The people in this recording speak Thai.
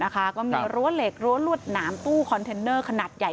ก็มีรั้วเหล็กรั้วรวดหนามตู้คอนเทนเนอร์ขนาดใหญ่